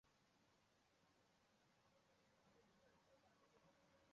普洛塔韦茨农村居民点是俄罗斯联邦别尔哥罗德州科罗恰区所属的一个农村居民点。